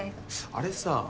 あれさ。